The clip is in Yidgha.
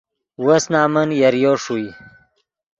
وس نمن یریو ݰوئے